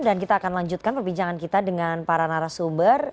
dan kita akan lanjutkan perbincangan kita dengan para narasumber